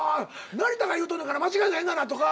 「成田が言うとんねんから間違いないがな」とか。